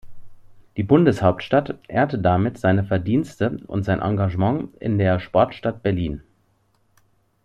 Die Bundeshauptstadt ehrte damit seine Verdienste und sein Engagement in der Sportstadt Berlin.